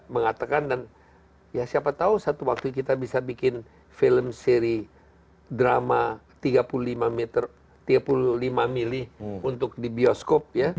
mengatakan dan ya siapa tahu satu waktu kita bisa bikin film seri drama tiga puluh lima mili untuk di bioskop